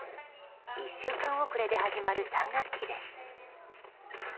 １週間遅れで始まる３学期です。